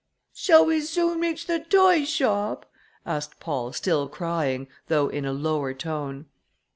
"Shall we soon reach the toy shop?" asked Paul, still crying, though in a lower tone.